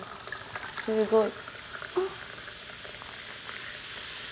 すごい。